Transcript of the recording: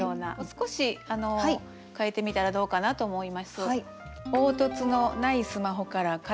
少し変えてみたらどうかなと思います。